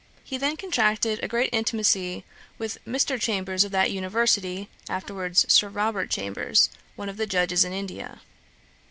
He had then contracted a great intimacy with Mr. Chambers of that University, afterwards Sir Robert Chambers, one of the Judges in India.